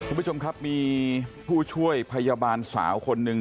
คุณผู้ชมครับมีผู้ช่วยพยาบาลสาวคนหนึ่ง